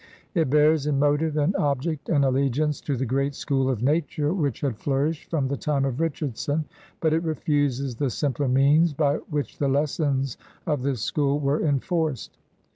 It bears, in motive and object, an allegiance to the great school of nature which had flourished from the time of Richardson, but it re fuses the simpler means by which the lessons of this school were enforced.